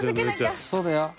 そうだよ。